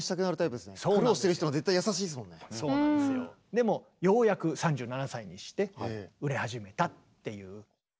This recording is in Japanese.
でもようやく３７歳にして売れ始めたっていう。